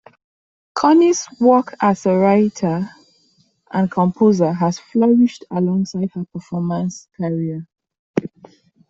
Connie's work as a writer and composer has flourished alongside her performance career.